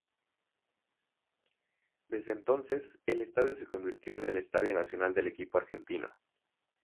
Desde entonces, el estadio se convirtió en el Estadio Nacional del equipo argentino.